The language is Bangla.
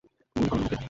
গুলি করুন ওকে!